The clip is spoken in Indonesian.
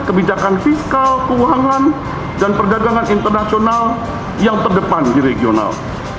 kebijakan fiskal keuangan dan perdagangan internasional yang terdepan di regional